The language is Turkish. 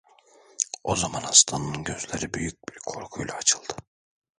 O zaman hastanın gözleri büyük bir korkuyla açıldı.